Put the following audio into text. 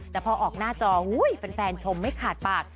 แต่พอออกหน้าจอุ้ยแฟนชมไม่ขาดปาก